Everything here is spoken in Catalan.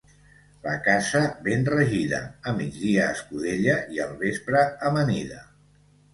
La casa ben regida, a migdia escudella i al vespre amanida.